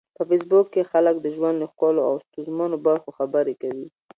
په فېسبوک کې خلک د ژوند له ښکلو او ستونزمنو برخو خبرې کوي